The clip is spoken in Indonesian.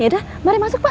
yaudah mari masuk pak